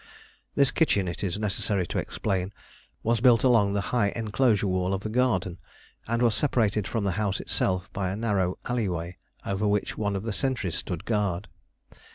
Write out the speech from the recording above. This kitchen, it is necessary to explain, was built along the high enclosure wall of the garden, and was separated from the house itself by a narrow alley way, over which one of the sentries stood guard.